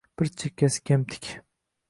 Bir chekkasi kemtik.